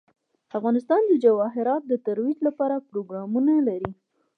افغانستان د جواهرات د ترویج لپاره پروګرامونه لري.